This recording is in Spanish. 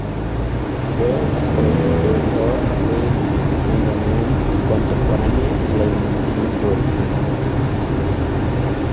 Fue el predecesor de la iluminación de neón contemporánea y la iluminación fluorescente.